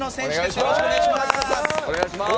よろしくお願いします。